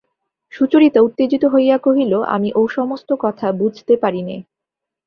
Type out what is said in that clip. সুচরিতা উত্তেজিত হইয়া কহিল, আমি ও-সমস্ত কথা বুঝতে পারি নে।